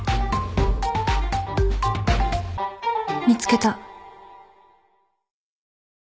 見つけた。